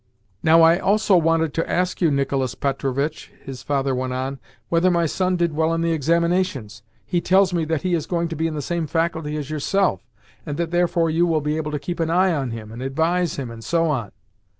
"Now, I also wanted to ask you, Nicolas Petrovitch." His father went on, "whether my son did well in the examinations? He tells me that he is going to be in the same faculty as yourself, and that therefore you will be able to keep an eye on him, and advise him, and so on."